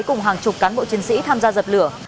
cùng hàng chục cán bộ chiến sĩ tham gia dập lửa